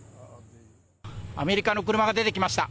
アメリカの車が出てきました。